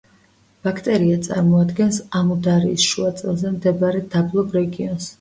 ბაქტრია წარმოადგენს ამუდარიის შუა წელზე მდებარე დაბლობ რეგიონს.